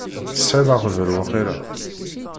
Tesεiḍ aɣbel waqila?